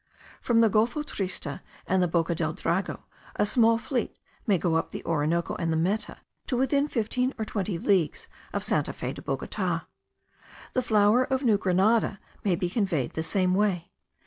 From the Golfo Triste and the Boca del Drago a small fleet may go up the Orinoco and the Meta to within fifteen or twenty leagues of Santa Fe de Bogota. The flour of New Grenada may be conveyed the same way.